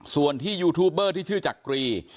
ส่วนที่ยูทูบเบอร์ที่ชื่อจักรี